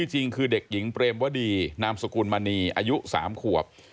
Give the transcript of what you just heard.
จริงคือเด็กหญิงเปรมวดีนามสกุลมณีอายุ๓ขวบ